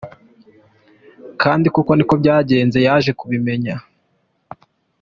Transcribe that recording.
Kandi koko niko byagenze, yaje kubimenya.